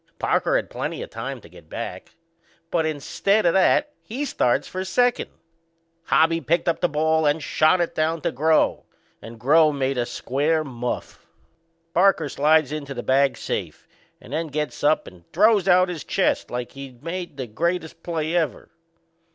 Parker had plenty o' time to get back; but, instead o' that, he starts for second. Hobby picked up the ball and shot it down to Groh and Groh made a square muff. Parker slides into the bag safe and then gets up and throws out his chest like he'd made the greatest play ever.